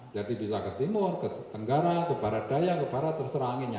jadi bisa ke timur ke tenggara ke barat daya ke barat terserah anginnya